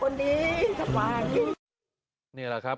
นี่แหละครับ